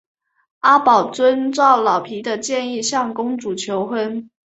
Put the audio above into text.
阿宝遵照老皮的建议向公主求婚。